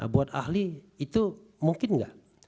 buat ahli itu mungkin nggak